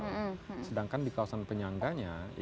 sedangkan di kawasan penyangganya